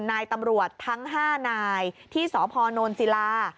นายตำรวจทั้ง๕นายที่สพนศิลา